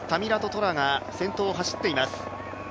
・トラが先頭を走っています。